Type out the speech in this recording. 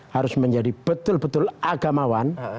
harus menjadi betul betul agamawan